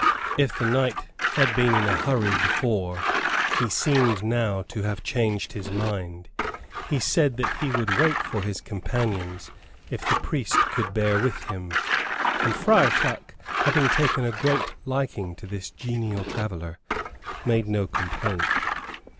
If the knight had been in a hurry before he seemed now to have changed his mind. He said that he would wait for his companions, if the priest could bear with him, and Friar Tuck, having taken a great liking to this genial traveller, made no complaint.